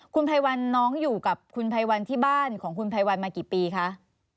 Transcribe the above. คุณภัยวันน้องอยู่กับคุณภัยวันที่บ้านของคุณภัยวันมากี่ปีคะ